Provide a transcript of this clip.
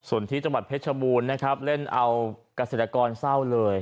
ส่วนที่จังหวัดเพชรบูรณ์นะครับเล่นเอาเกษตรกรเศร้าเลย